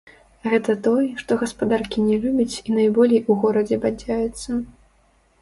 Гэта той, што гаспадаркі не любіць і найболей у горадзе бадзяецца.